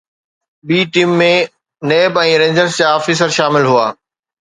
ٻي team ۾ NAB ۽ Rangers جا officer شامل هئا